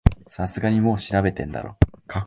さすがにもう調べてんだろ